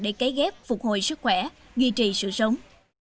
để cấy ghép phục hồi sức khỏe duy trì sự sống